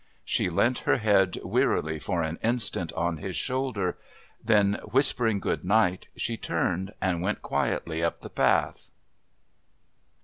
She leant her head wearily for an instant on his shoulder, then, whispering good night, she turned and went quietly up the path.